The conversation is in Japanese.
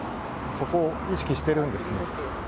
そこを意識してるんですね。